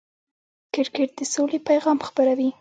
کرکټ د سولې پیغام خپروي.